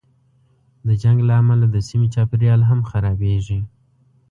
د جنګ له امله د سیمې چاپېریال هم خرابېږي.